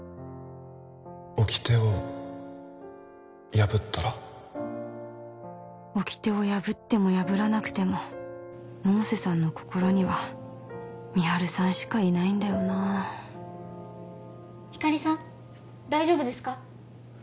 掟を破ったら？掟を破っても破らなくても百瀬さんの心には美晴さんしかいないんだよなひかりさん大丈夫ですか？